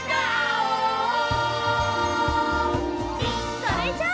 それじゃあ。